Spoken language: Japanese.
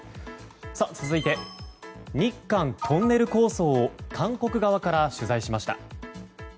続いて、日韓トンネルを韓国側から取材しました。